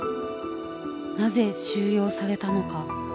「なぜ収容されたのか」。